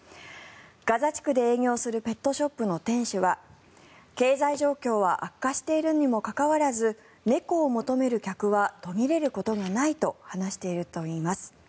ガザ地区で営業するペットショップの店主は経済状況は悪化しているにもかかわらず猫を求める客は途切れることがないと話しているといいます。